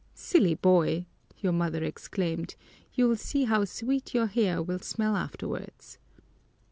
'Silly boy,' your mother exclaimed, 'you'll see how sweet your hair will smell afterwards.'